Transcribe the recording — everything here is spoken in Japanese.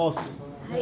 はい。